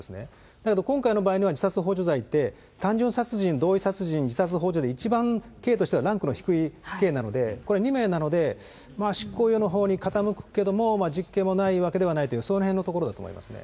だけど今回の場合には、自殺ほう助罪で単純殺人、同意殺人、自殺ほう助で一番刑としてはランクの低い刑なので、これ、２名なので、執行猶予のほうに傾くけども、実刑もないわけではないという、そのへんのところだと思いますね。